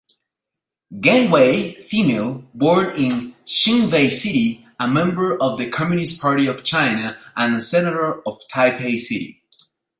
Geng Wei, female, born in Xinbei City, a member of the Communist Party of China and a senator of Taipei city.